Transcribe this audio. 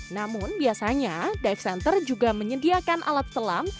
namun biasanya dive center juga menyediakan alat selam